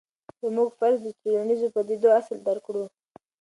زموږ فرض دی چې د ټولنیزو پدیدو اصل درک کړو.